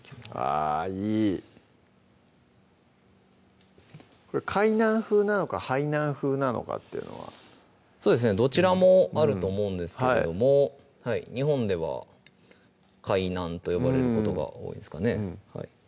あぁいいこれ「かいなん風」なのか「はいなん風」なのかっていうのはそうですねどちらもあると思うんですけれども日本では「かいなん」と呼ばれることが多いですかね